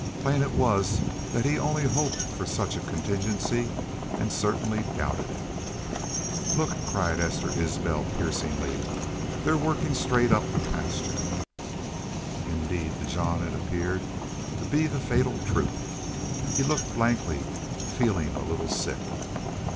Plain it was that he only hoped for such a contingency and certainly doubted it. "Look!" cried Esther Isbel, piercingly. "They're workin' straight up the pasture!" Indeed, to Jean it appeared to be the fatal truth. He looked blankly, feeling a little sick.